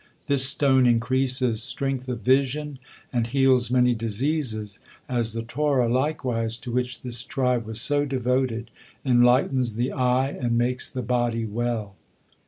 This stone increases strength of vision and heals many diseases, as the Torah, likewise, to which this tribe was so devoted, enlightens the eye and makes the body well.